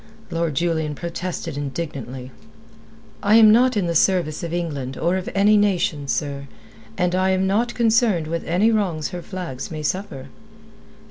Lord Julian protested indignantly. "I am not in the service of England, or of any nation, sir. And I am not concerned with any wrongs her flag may suffer."